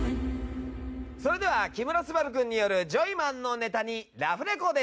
それでは木村昴君によるジョイマンのネタにラフレコです。